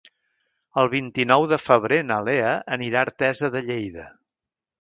El vint-i-nou de febrer na Lea anirà a Artesa de Lleida.